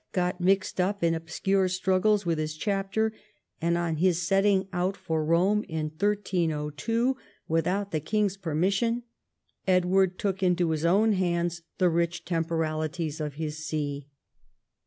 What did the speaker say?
got mixed up in obscure struggles with his chapter, and, on his setting out for Rome in 1302 without the king's permission, Edward took into his own hands the rich temporalities of his see.